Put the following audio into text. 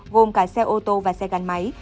gồm cả xe ô tô và xe gắn máy